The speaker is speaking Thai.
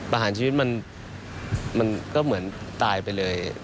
ประหารชีวิตมันก็เหมือนตายไปเลย